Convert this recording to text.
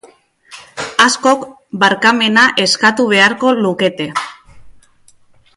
Askok barkamena eskatu beharko lukete.